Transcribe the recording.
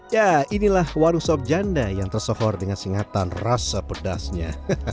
ya inilah warung sob janda yang tersohor dengan sengatan rasa pedasnya